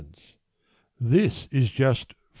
This is just 5s.